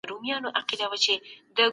تاسو د غريبانو زړونه لاس ته راوړئ.